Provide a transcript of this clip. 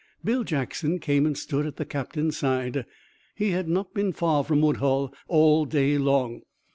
Bill Jackson came and stood at the captain's side. He had not been far from Woodhull all day long.